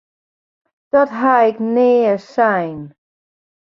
Dat ha ik nea sein!